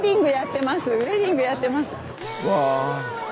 うわ！